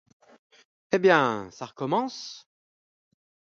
Eh bien, ça recommence?